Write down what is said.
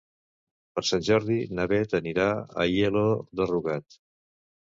Per Sant Jordi na Beth anirà a Aielo de Rugat.